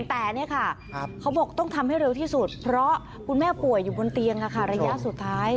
แต่นี่ค่ะเขาบอกต้องทำให้เร็วที่สุดเพราะคุณแม่ป่วยอยู่บนเตียงระยะสุดท้าย